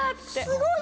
すごい！